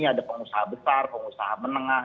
ada pengusaha besar pengusaha menengah